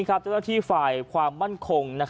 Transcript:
จะเจ้าที่ฝ่ายความมั่นคง